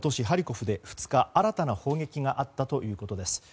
ハリコフで２日、新たな砲撃があったということです。